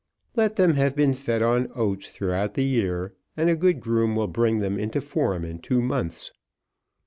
Let them have been fed on oats throughout the year, and a good groom will bring them into form in two months.